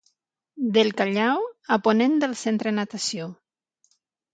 Del Callao, a ponent del Centre Natació.